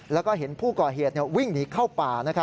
แล้วก็เห็นผู้ก่อเหตุวิ่งหนีเข้าป่า